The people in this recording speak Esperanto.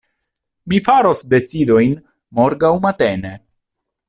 Mi faros decidojn morgaŭ matene.